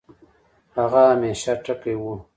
هغه همېشه ټکے وۀ